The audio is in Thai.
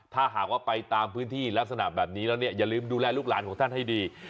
ถ้าหากว่าไปตามพื้นที่ลักษณะแบบนี้แล้วเนี่ยอย่าลืมดูแลลูกหลานของท่านให้ดี